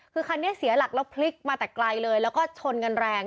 คือคันนี้เสียหลักแล้วพลิกมาแต่ไกลเลยแล้วก็ชนกันแรง